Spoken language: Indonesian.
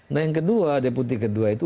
nah yang kedua deputi kedua itu